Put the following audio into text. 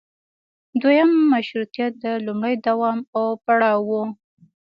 دویم مشروطیت د لومړي دوام او پړاو و.